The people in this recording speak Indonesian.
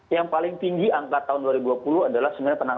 yang paling tinggi angka tahun dua ribu dua puluh adalah sebenarnya penanganan